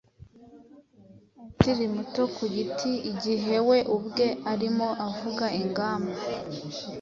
akiri muto ku giti igihe we ubwe arimo avuga ingamba